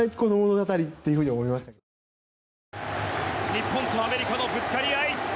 日本とアメリカのぶつかり合い。